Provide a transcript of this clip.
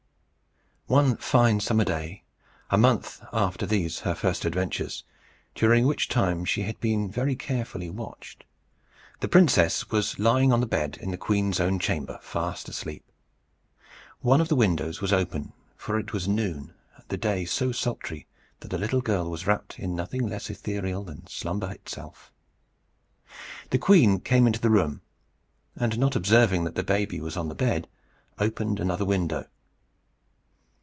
One fine summer day, a month after these her first adventures, during which time she had been very carefully watched, the princess was lying on the bed in the queen's own chamber, fast asleep. One of the windows was open, for it was noon, and the day so sultry that the little girl was wrapped in nothing less ethereal than slumber itself. The queen came into the room, and not observing that the baby was on the bed, opened another window.